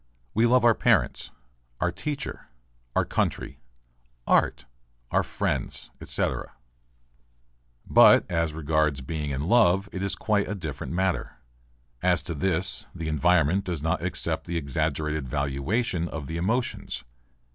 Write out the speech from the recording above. We love our parents, our teacher, our country, art, our friends, etc. But as regards being in love it is quite a different matter. As to this the environment does not accept the exaggerated valuation of the emotions.